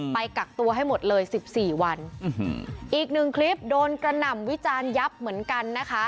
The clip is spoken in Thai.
ไปกักตัวให้หมดเลยสิบสี่วันอีกหนึ่งคลิปโดนกระหน่ำวิจารณ์ยับเหมือนกันนะคะ